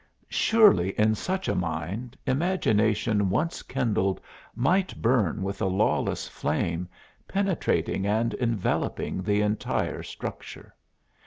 Surely in such a mind imagination once kindled might burn with a lawless flame, penetrating and enveloping the entire structure.